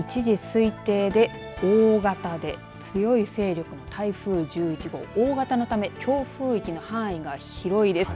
一時、推定で大型で強い勢力、台風１１号、大型のため強風域の範囲が広いです。